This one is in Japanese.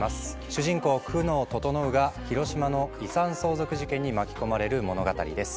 主人公久能整が広島の遺産相続事件に巻き込まれる物語です。